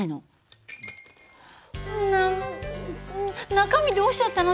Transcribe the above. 中身どうしちゃったの？